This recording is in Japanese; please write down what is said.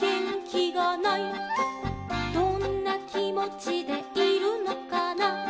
「どんなきもちでいるのかな」